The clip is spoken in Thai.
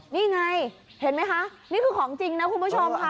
นี่ไงเห็นไหมคะนี่คือของจริงนะคุณผู้ชมค่ะ